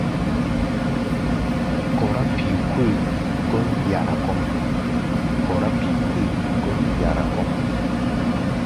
Kɔrá pi̧i̧ kui gɔ́n yara kɔ́ʼm.